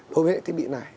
đối với cái thiết bị này